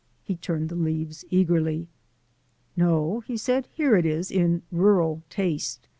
He turned the leaves eagerly. "No," he said, "here it is in 'Rural Taste.'